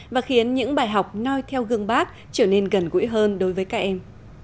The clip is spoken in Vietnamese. và khiến những bài học noi theo gương bác trở nên gần gũi hơn đối với các em